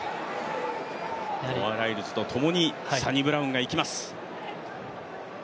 ノア・ライルズとともにサニブラウンがいきます。